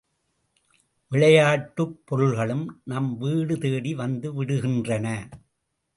விளையாட்டுப் பொருள்களும் நம் வீடு தேடி வந்து விடுகின்றன.